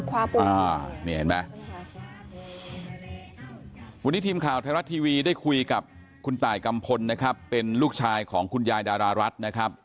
วันนี้เห็นไหมวันนี้ทีมข่าวไทยรัฐทีวีได้คุยกับคุณตายกัมพลนะครับเป็นลูกชายของคุณยายดารารัฐนะครับ